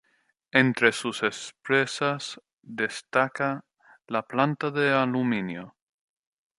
Entre sus empresas destaca la planta de aluminio.